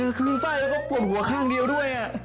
แลกขึ้นไฟแล้วก็ปวดหัวข้างเดียวด้วย